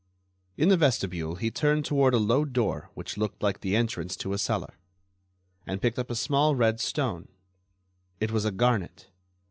In the vestibule he turned toward a low door which looked like the entrance to a cellar, and picked up a small red stone; it was a garnet.